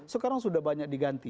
sekarang sudah banyak diganti